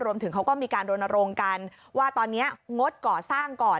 รวมถึงเขาก็มีการโรนโรงกันว่าตอนนี้งดก่อสร้างก่อน